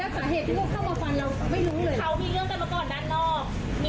ตอนนั้นเขาเป็นพนักงานที่นี่แล้วเขาก็ชวนจะมาขอร้องหลังร้าน